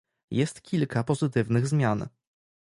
Jest kilka pozytywnych zmian